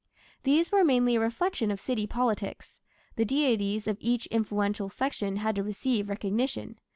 These were mainly a reflection of city politics: the deities of each influential section had to receive recognition.